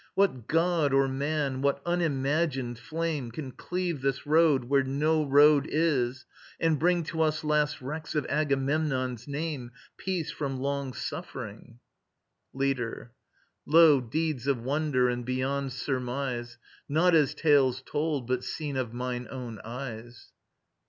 What god or man, what unimagined flame, Can cleave this road where no road is, and bring To us last wrecks of Agamemnon's name, Peace from long suffering? LEADER. Lo, deeds of wonder and beyond surmise, Not as tales told, but seen of mine own eyes.